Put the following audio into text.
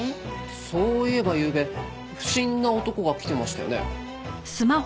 そういえばゆうべ不審な男が来てましたよね。